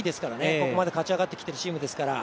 ここまで勝ち上がってきているチームですから。